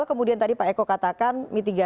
pretty bad news tapi yang tak ada di indonesia